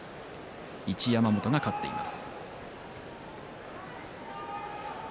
一山本が勝っています。